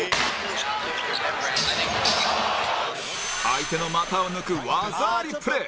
相手の股を抜く技ありプレー